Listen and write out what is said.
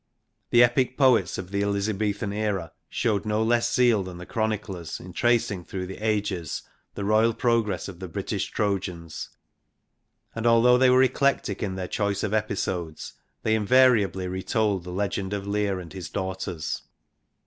The epic poets of the Elizabethan era showed no less zeal than the chroniclers in tracing through the ages the royal progress of the British Trojans, and although they were eclectic in their choice of episodes, they invariably retold the legend of Lear and his daughters.